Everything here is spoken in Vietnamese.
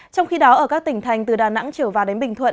trong khi đó ở các tỉnh thành từ đà nẵng trở vào đến bình thuận